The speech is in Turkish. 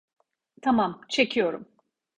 Tamam, çekiyorum.